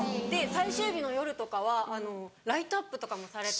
最終日の夜とかはライトアップとかもされて。